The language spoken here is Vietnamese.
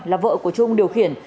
là vợ của trung điều khiển